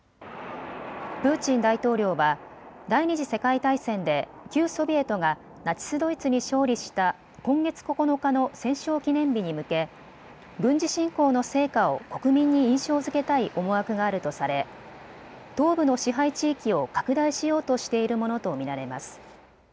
プーチン大統領は第２次世界大戦で旧ソビエトがナチス・ドイツに勝利した今月９日の戦勝記念日に向け、軍事侵攻の成果を国民に印象づけたい思惑があるとされ東部の支配地域を拡大しようとしているものと見られます。